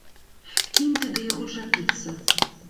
Кінь ты да яго чапіцца!